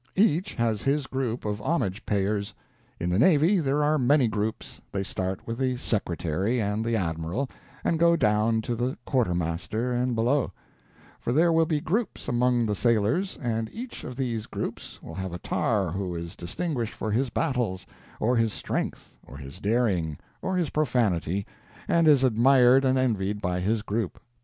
Each has his group of homage payers. In the navy, there are many groups; they start with the Secretary and the Admiral, and go down to the quartermaster and below; for there will be groups among the sailors, and each of these groups will have a tar who is distinguished for his battles, or his strength, or his daring, or his profanity, and is admired and envied by his group.